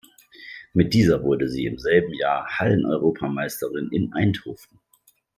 Mit dieser wurde sie im selben Jahr Hallen-Europameisterin in Eindhoven.